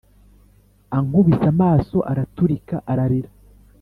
ankubise amaso araturika ararira